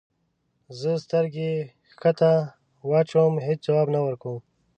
زه سترګې کښته واچوم هیڅ ځواب نه ورکوم.